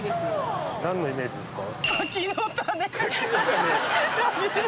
何のイメージですか？